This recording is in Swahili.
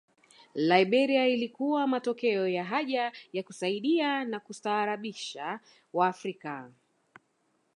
Liberia ilikuwa matokeo ya haja ya kusaidia na kustaarabisha Waafrika